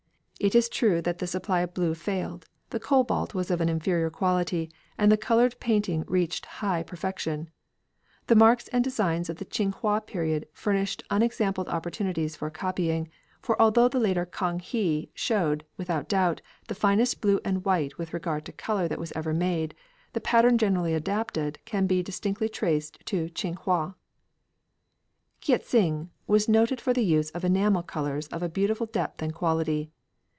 It is true that the supply of blue failed, the cobalt was of an inferior quality, but the coloured painting reached high perfection. The marks and designs of the Ching hwa period furnished unexampled opportunities for copying, for although the later Kang he showed, without doubt, the finest blue and white with regard to colour that was ever made, the pattern generally adopted can be distinctly traced to Ching hwa. Kea tsing was noted for the use of enamel colours of a beautiful depth and quality.